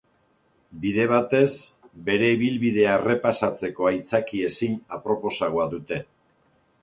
Bide batez, bere ibilbidea errepasatzeko aitzaki ezin aproposagoa dute.